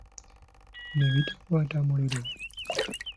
Ne bitakwata muliro.